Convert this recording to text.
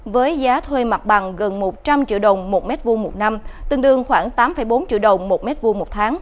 với giá thuê mặt bằng gần một trăm linh triệu đồng một m hai một năm tương đương khoảng tám bốn triệu đồng một m hai một tháng